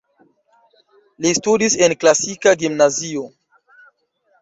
Li studis en klasika gimnazio.